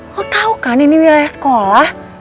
lo tau kan ini wilayah sekolah